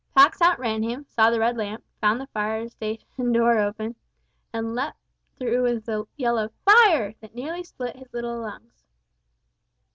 Pax outran him, saw the red lamp, found the fire station door open, and leaped through with a yell of "Fire!" that nearly split his little lungs.